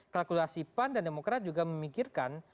kalkulasi pan dan demokrat juga memikirkan